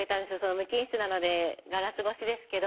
無菌室なのでガラス越しですけど。